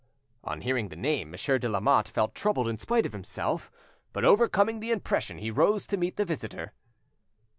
On hearing the name, Monsieur de Lamotte felt troubled in spite of himself, but, overcoming the impression, he rose to meet the visitor.